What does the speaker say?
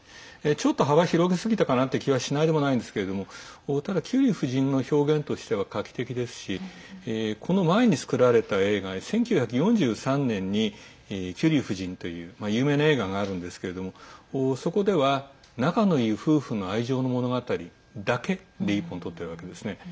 ちょっと幅広げすぎたかなって気がしないでもないんですけれどもただキュリー夫人の表現としては画期的ですしこの前に作られた映画で１９４３年に「キュリー夫人」という有名な映画があるんですけれどもそこでは仲のいい夫婦の愛情の物語だけで１本撮っているわけですね。